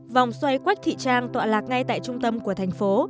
vòng xoay quách thị trang tọa lạc ngay tại trung tâm của thành phố